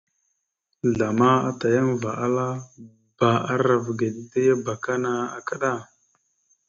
Zlama atayaŋva ala: « Bba arav ge dide ya abakana akada, ».